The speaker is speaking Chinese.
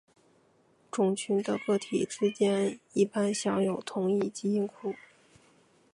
种群的个体之间一般享有同一个基因库。